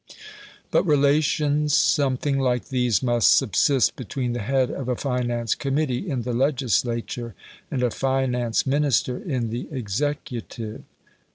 But relations something like these must subsist between the head of a finance committee in the legislature, and a finance Minister in the executive.